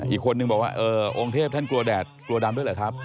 อีกคนนึงบอกว่าองค์เทพท่านกลัวแดดกลัวดำด้วยเหรอครับ